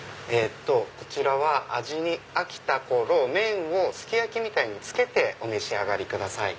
こちらは味に飽きた頃麺をすき焼きみたいにつけてお召し上がりください。